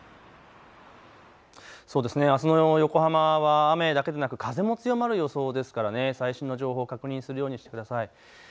そうですね、あすの横浜は雨だけでなく風も強まる予想ですから最新の情報を確認するようにしてください。